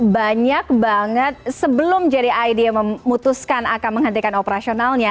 banyak banget sebelum jadi id memutuskan akan menghentikan operasionalnya